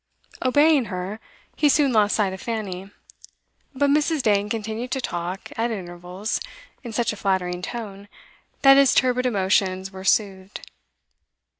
Obeying her, he soon lost sight of Fanny; but Mrs. Dane continued to talk, at intervals, in such a flattering tone, that his turbid emotions were soothed.